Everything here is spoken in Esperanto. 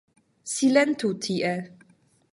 Silentu tie!